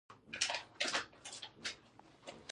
ميرويس نيکه ورته ځير شو.